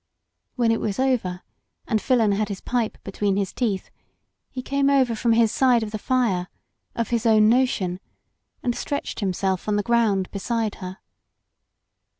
When it was over, and Filon had his pipe be tween his teeth, he came over from his side of the fire, of his own notion, and stretched him self on the ground beside her.